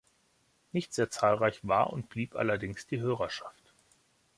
Nicht sehr zahlreich war und blieb allerdings die Hörerschaft.